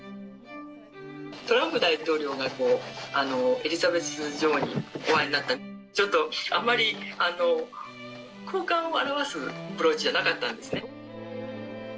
トランプ大統領がエリザベス女王にお会いになった、ちょっとあんまり、好感を表すブローチじゃなかったんですね。